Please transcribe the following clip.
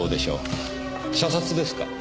射殺ですか？